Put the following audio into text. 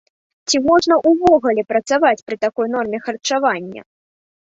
Ці можна ўвогуле працаваць пры такой норме харчавання?